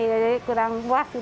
jadi kurang puas